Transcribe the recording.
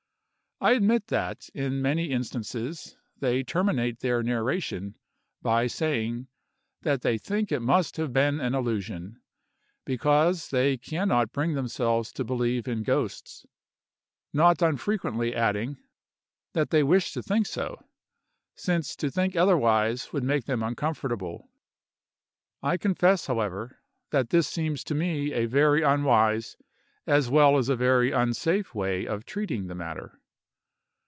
I admit that in many instances they terminate their narration, by saying, that they think it must have been an illusion, because they can not bring themselves to believe in ghosts; not unfrequently adding, that they wish to think so; since to think otherwise would make them uncomfortable. I confess, however, that this seems to me a very unwise, as well as a very unsafe way of treating the matter.